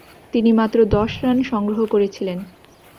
তিনি মাত্র দশ রান সংগ্রহ করেছিলেন।